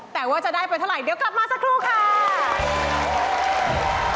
แต่ว่าจะได้ไปเท่าไหร่เดี๋ยวกลับมาสักครู่ค่ะ